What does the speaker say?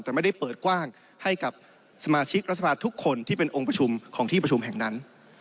แต่ไม่ได้เปิดกว้างให้กับสมาชิกรัฐสภาทุกคนที่เป็นองค์ประชุมของที่ประชุมแห่งนั้น